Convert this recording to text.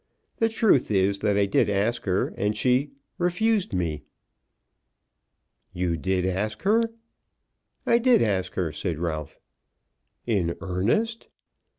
The truth is that I did ask her and she, refused me." "You did ask her?" "I did ask her," said Ralph. "In earnest?"